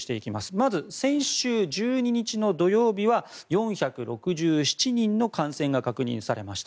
まず、先週１２日の土曜日は４６７人の感染が確認されました。